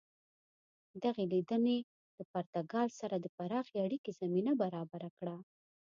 دغې لیدنې له پرتګال سره د پراخې اړیکې زمینه برابره کړه.